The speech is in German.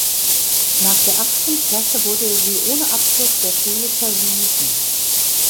Nach der achten Klasse wurde sie ohne Abschluss der Schule verwiesen.